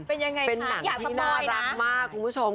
เป็นยังไงค่ะอย่าสบายนะเป็นหนังที่นอนรักมากคุณผู้ชม